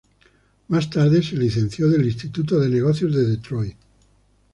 Más tarde se licenció del Instituto de Negocios de Detroit.